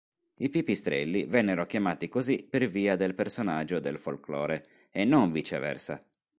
I pipistrelli vennero chiamati così per via del personaggio del folclore e non viceversa.